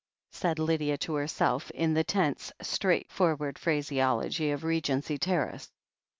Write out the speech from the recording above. *' said Lydia to herself, in the tense, straightforward phraseology of Regency Terrace.